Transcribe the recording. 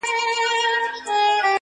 • هم د کور غل دی هم دروغجن دی -